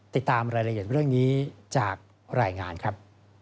ติดตามรายละเอียดเรื่องนี้จากรายงานครับ